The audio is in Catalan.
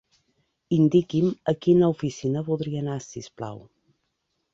Indiqui'm a quina oficina voldria anar, si us plau.